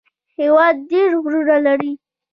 هېواد ډېر غرونه لري